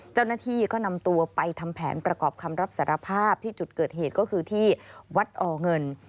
เจ้าหน้าที่ก็นำตัวไปทำแผนประกอบคำรับสารภาพที่จุดเกิดเหตุก็คือที่วัดอเงิน